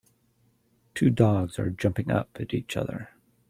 Two dogs are jumping up at each other.